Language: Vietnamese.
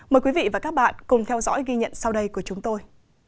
mời quý vị và các bạn cùng theo dõi ghi nhận sau đây của chúng tôi